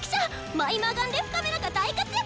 マイ魔眼レフカメラが大活躍！